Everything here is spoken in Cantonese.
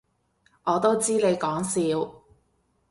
我都知你講笑